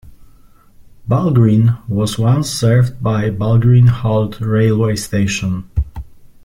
Balgreen was once served by Balgreen Halt railway station.